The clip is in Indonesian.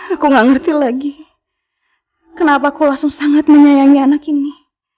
aku gak ngerti lagi kenapa kau langsung sangat menyayangi anak ini